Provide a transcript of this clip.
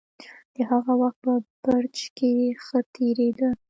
د هغه وخت په برج کې ښه تېرېده.